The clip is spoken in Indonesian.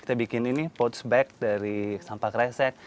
kita bikin ini pouch bag dari sampah keresek